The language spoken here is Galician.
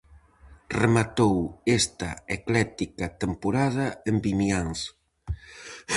Rematou esta ecléctica temporada en Vimianzo.